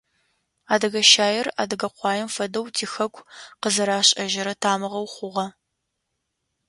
Адыгэ щаир адыгэ къуаем фэдэу тихэку къызэрашӏэжьрэ тамыгъэу хъугъэ.